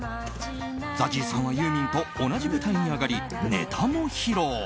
ＺＡＺＹさんはユーミンと同じ舞台に上がりネタも披露。